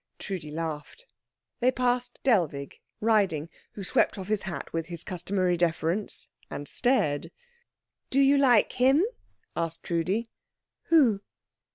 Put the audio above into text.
Trudi laughed. They passed Dellwig, riding, who swept off his hat with his customary deference, and stared. "Do you like him?" asked Trudi. "Who?"